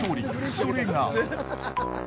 それが。